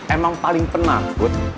emang paling pernah akut